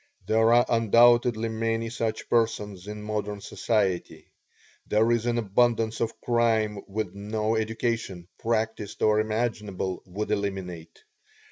There are undoubtedly many such persons in modern society. There is an abundance of crime which no education, practiced or imaginable, would eliminate.